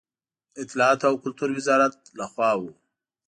د اطلاعاتو او کلتور وزارت له خوا و.